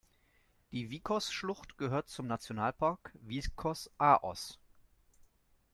Die Vikos-Schlucht gehört zum Nationalpark Vikos-Aoos.